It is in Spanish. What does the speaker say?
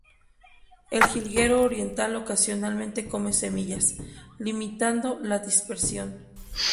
El jilguero oriental ocasionalmente come semillas, limitando la dispersión.